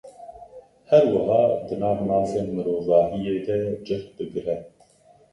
Her wiha, di nav mafên mirovahiyê de cih digire.